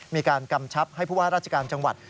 กำชับให้ผู้ว่าราชการจังหวัด